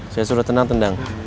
saya suruh tenang tenang